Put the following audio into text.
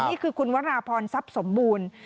นี่คือคุณวราพรทรัพย์สมบูรณ์